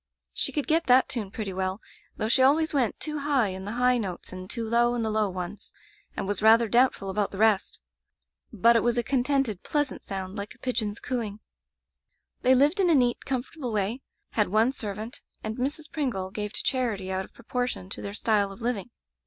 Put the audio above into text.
* "She could get that tune pretty well, though she always went too high in the high notes and too low in the low ones, and was rather doubtful about the rest. But it was a Digitized by LjOOQ IC A Dispensation contented^ pleasant sounds like a pigeon's cooing. "They lived in a neat, comfortable way, had one servant, and Mrs. Pringle gave to charity out of proportion to their style of living.